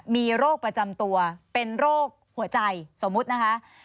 มีโรคประจำตัวเป็นโรคหัวใจสมมุตินะคะ